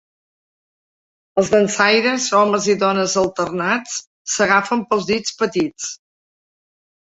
Els dansaires, homes i dones alternats, s'agafen pels dits petits.